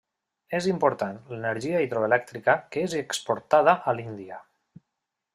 És important l'energia hidroelèctrica que és exportada a l'Índia.